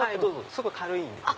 すごい軽いんで。